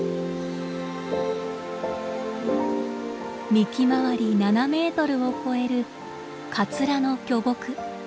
幹回り７メートルを超えるカツラの巨木。